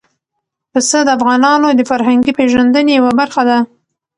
پسه د افغانانو د فرهنګي پیژندنې یوه برخه ده.